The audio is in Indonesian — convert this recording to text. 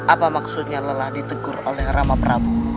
apa maksudnya lelah ditegur oleh rama prabu